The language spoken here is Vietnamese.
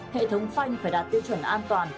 hệ thống phanh phải đạt tiêu chuẩn an toàn